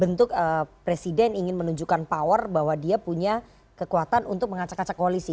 bentuk presiden ingin menunjukkan power bahwa dia punya kekuatan untuk mengacak ngacak koalisi